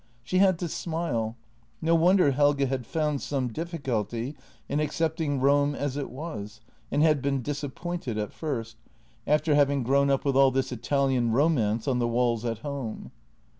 She had to smile — no wonder Helge had found some difficulty in accept ing Rome as it was, and had been disappointed at first, after having grown up with all this Italian romance on the walls at home.